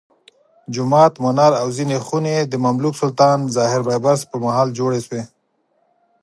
جومات، منار او ځینې خونې د مملوک سلطان الظاهر بیبرس پرمهال جوړې شوې.